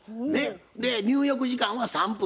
で入浴時間は３分。